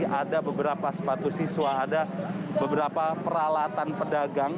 jadi ada beberapa sepatu siswa ada beberapa peralatan pedagang